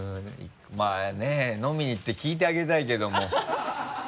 まぁね飲みに行って聞いてあげたいけども。